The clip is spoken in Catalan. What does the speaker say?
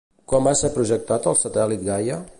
Quan va ser projectat el satèl·lit Gaia?